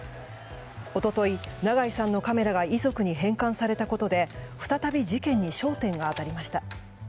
一昨日、長井さんのカメラが遺族に返還されたことで再び事件に焦点が当たりました。